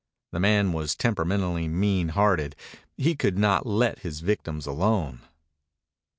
The man was temperamentally mean hearted. He could not let his victims alone.